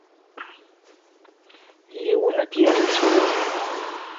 Yiwen ur d-yerri s wawal.